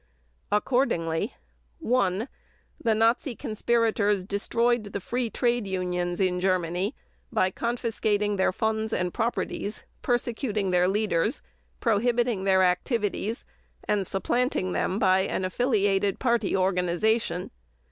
Accordingly: (1) The Nazi conspirators destroyed the free trade unions in Germany by confiscating their funds and properties, persecuting their leaders, prohibiting their activities, and supplanting them by an affiliated Party organization.